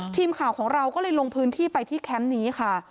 ทีมข่าวของเราก็เลยลงพื้นที่ไปที่แคมป์นี้ค่ะ